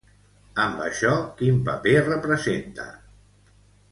Amb això quin paper representa?